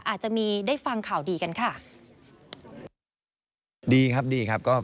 อาจจะมีได้ฟังข่าวดีกันค่ะ